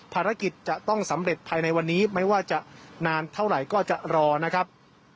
ภารกิจจะต้องสำเร็จภายในวันนี้ไม่ว่าจะนานเท่าไหร่ก็จะรอนะครับ